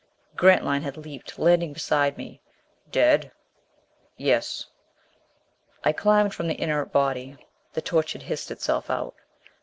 Grantline had leaped, landing beside me. "Dead?" "Yes." I climbed from the inert body. The torch had hissed itself out.